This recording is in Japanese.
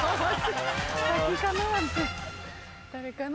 誰かな？